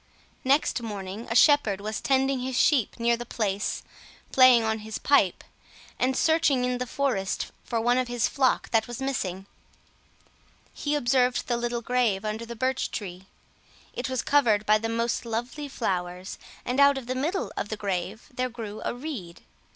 Next morning a shepherd was tending his sheep near the place, playing on his pipe, and searching in the forest for one of his flock that was missing. He observed the little grave under the birch tree; it was covered by the most lovely flowers, and out of the middle of the grave there grew a reed.